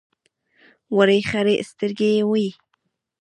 وړې خړې سترګې یې وې.